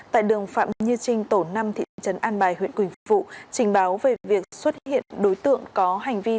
tại đường phạm như trinh tổ năm thị trấn an bài huyện quỳnh phụ trình báo về việc xuất hiện đối tượng có hành vi